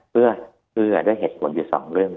เพื่อได้เหตุผลอยู่สองเรื่อง